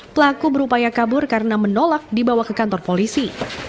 pelaku berupaya kabur karena menolak dibawa ke kantor polisi